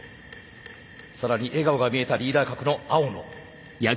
更に笑顔が見えたリーダー格の青野。